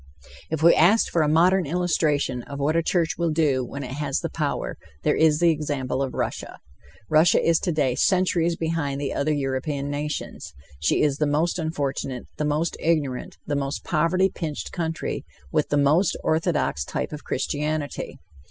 If we asked for a modern illustration of what a church will do when it has the power, there is the example of Russia. Russia is today centuries behind the other European nations. She is the most unfortunate, the most ignorant, the most poverty pinched country, with the most orthodox type of Christianity.